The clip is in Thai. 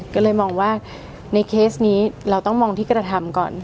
ก็เลยมองว่าในเคสนี้เราต้องมองที่กระทำก่อน